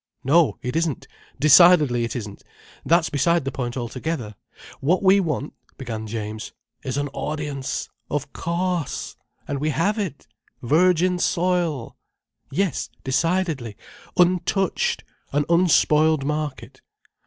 "No, it isn't. Decidedly it isn't. That's beside the point altogether. What we want—" began James. "Is an audience—of cauce—! And we have it—! Virgin soil—! "Yes, decidedly. Untouched! An unspoiled market."